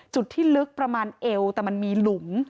จุดที่ลึกประมาณเอวแต่มันมีหลุม